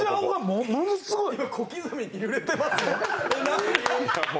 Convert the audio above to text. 小刻みに揺れてます！